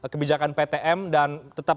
kebijakan ptm dan tetap